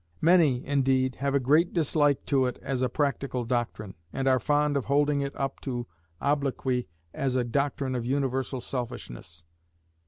Many, indeed, have a great dislike to it as a political doctrine, and are fond of holding it up to obloquy as a doctrine of universal selfishness.